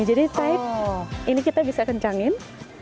jadi tight ini kita bisa kencangin